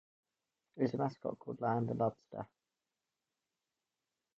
Its mascot was called Lionel the Lobster.